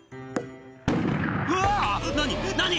「うわ何何！」